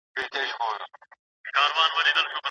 او ټولو ته یې حیرانتیا ورکړه.